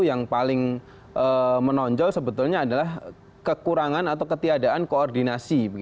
yang paling menonjol sebetulnya adalah kekurangan atau ketiadaan koordinasi